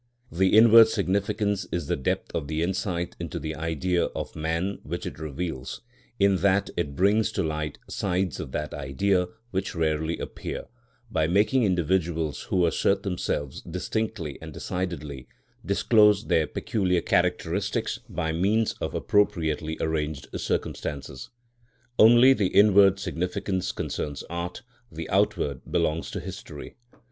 The inward significance is the depth of the insight into the Idea of man which it reveals, in that it brings to light sides of that Idea which rarely appear, by making individuals who assert themselves distinctly and decidedly, disclose their peculiar characteristics by means of appropriately arranged circumstances. Only the inward significance concerns art; the outward belongs to history.